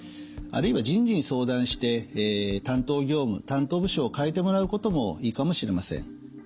あるいは人事に相談して担当業務担当部署を変えてもらうこともいいかもしれません。